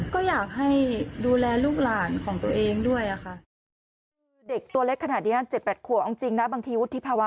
ก็อยากให้ดูแลลูกหลานของตัวเองด้วยค่ะ